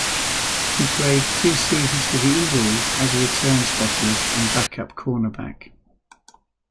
He played two seasons with the Eagles as a return specialist and backup cornerback.